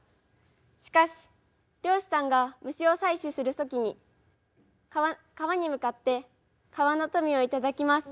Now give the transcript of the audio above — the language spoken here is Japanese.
しかし漁師さんが虫を採取する時に川に向かって「川の富を頂きます。